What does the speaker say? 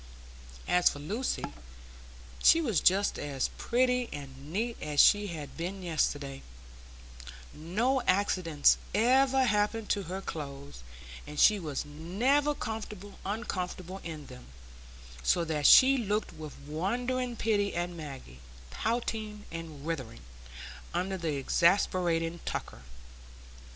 As for Lucy, she was just as pretty and neat as she had been yesterday; no accidents ever happened to her clothes, and she was never uncomfortable in them, so that she looked with wondering pity at Maggie, pouting and writhing under the exasperating tucker.